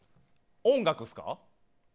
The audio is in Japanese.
音楽ですか。